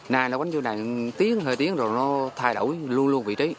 này nó bánh vô này tiếng hơi tiếng rồi nó thay đổi luôn luôn vị trí